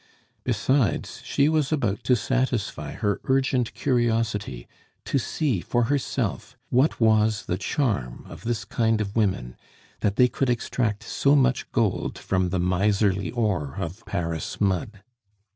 Besides, she was about to satisfy her urgent curiosity, to see for herself what was the charm of this kind of women, that they could extract so much gold from the miserly ore of Paris mud.